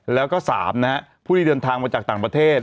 แล้วก็๓นะฮะผู้ที่เดินทางมาจากต่างประเทศ